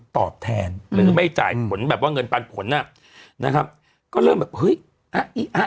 ตอบแทนหรือไม่จ่ายผลแบบว่าเงินปันผลอ่ะนะครับก็เริ่มแบบเฮ้ยฮะอีฮะ